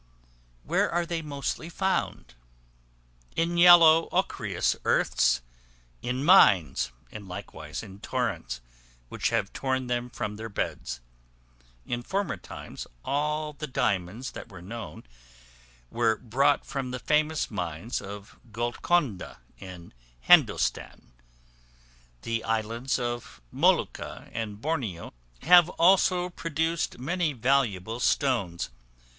Where are they mostly found? In yellow ochreous earths; in mines; and likewise in torrents, which have torn them from their beds. In former times, all the diamonds that were known were brought from the famous mines of Golconda, in Hindostan; the islands of Molucca and Borneo have also produced many valuable stones.